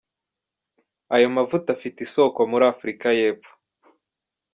Ayo mavuta afite isoko muri Afurika y’Epfo.